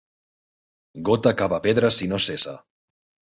Gota cava pedra si no cessa.